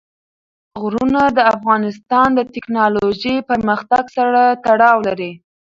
غرونه د افغانستان د تکنالوژۍ پرمختګ سره تړاو لري.